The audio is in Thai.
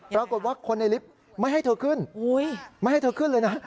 ปรากฏว่าคนในลิฟต์ไม่ให้เธอขึ้นไม่ให้เธอขึ้นเลยนะ